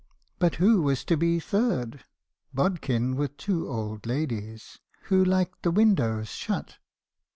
But who was to be third? — bodkin with two old ladies, who liked the windows shut?